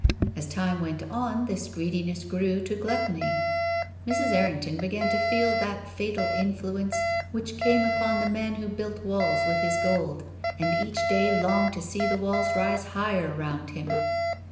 As time went on this greedi ness grew to gluttony. Mrs. Errington began to feel that fatal influence which came upon the man who built walls with his gold, and each day longed to see the walls rise higher round him.